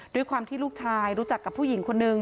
ด้วยความที่ลูกชายรู้จักกับผู้หญิงคนนึง